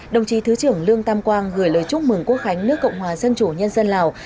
đồng chí thứ trưởng lương tam quang gửi lời chúc mừng quốc khánh nước cộng hòa dân chủ nhân dân lào